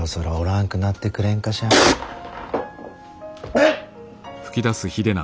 えっ！